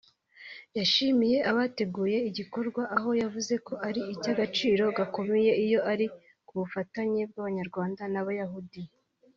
yashimiye abateguye igikorwa aho yavuze ko ari icy’agaciro gakomeye iyo ari ku bufatanye bw’abanyarwanda n’Abayahudi